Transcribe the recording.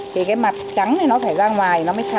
thì cái mặt trắng thì nó phải ra ngoài nó mới sáng hết bánh